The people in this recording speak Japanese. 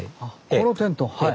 このテントはい。